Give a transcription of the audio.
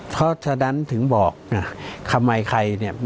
เพราะฉะนั้นถึงบอกทำไมใครเนี่ย